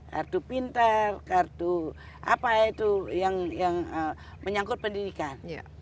kartu pintar kartu apa itu yang menyangkut pendidikan